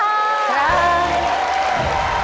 ใช่